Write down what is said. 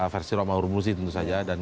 versi romah rumusi tentu saja dan